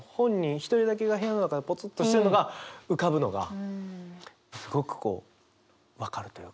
一人だけが部屋の中でポツンとしてるのが浮かぶのがすごく分かるというか。